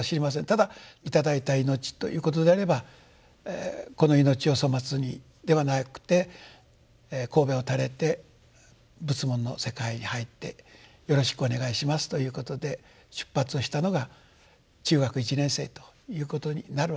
ただ頂いた命ということであればこの命を粗末にではなくてこうべを垂れて仏門の世界に入ってよろしくお願いしますということで出発をしたのが中学１年生ということになるわけです。